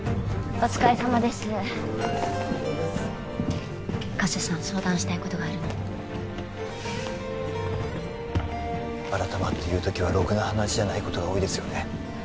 お疲れさまです加瀬さん相談したいことがあるの改まって言う時はろくな話じゃないことが多いですよね